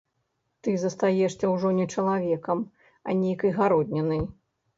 Ты застаешся ўжо не чалавекам, а нейкай гароднінай.